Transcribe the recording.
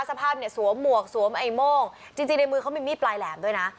สภาพเนี่ยสวมหมวกสวมไอ้โม่งจริงในมือเขามีมีดปลายแหลมด้วยนะ